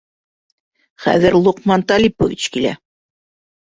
Хәҙер Лоҡман Талипович килә.